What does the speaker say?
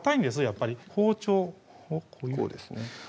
やっぱり包丁をこうですね